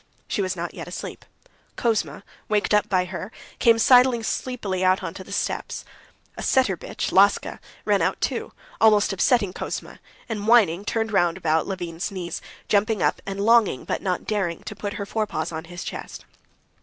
She was not yet asleep. Kouzma, waked up by her, came sidling sleepily out onto the steps. A setter bitch, Laska, ran out too, almost upsetting Kouzma, and whining, turned round about Levin's knees, jumping up and longing, but not daring, to put her forepaws on his chest.